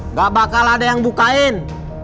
nggak bakal ada yang bukain